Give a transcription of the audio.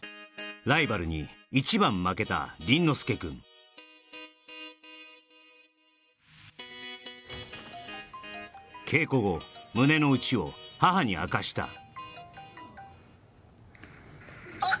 ライバルに一番負けた倫之亮くん稽古後胸の内を母に明かしたおっ